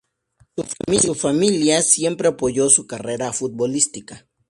Su familia siempre apoyó su carrera futbolística.